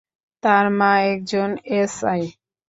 তার মা একজন এসআই।